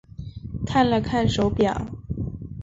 看了看手表